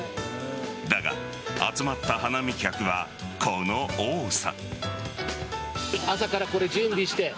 だが、集まった花見客はこの多さ。